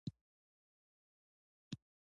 هر پښتون د پښتونولۍ په اصولو پوهیږي.